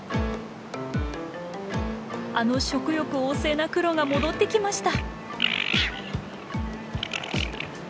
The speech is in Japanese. あの食欲旺盛なクロが戻ってきました。